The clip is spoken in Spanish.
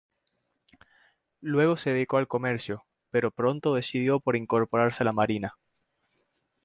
Luego se dedicó al comercio, pero pronto decidió por incorporarse a la marina.